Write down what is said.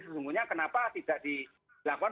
sesungguhnya kenapa tidak dilakukan